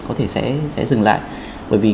có thể sẽ dừng lại bởi vì